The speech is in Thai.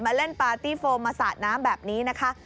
เล่นปาร์ตี้โฟมมาสาดน้ำแบบนี้นะคะ